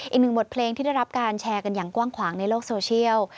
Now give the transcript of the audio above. อีกหนึ่งบทเพลงที่ได้รับการแชร์กันอย่างกว้างขวางในโลกโซเชียล